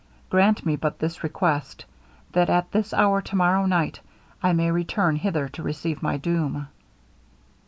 Grant me but this request that at this hour to morrow night, I may return hither to receive my doom.'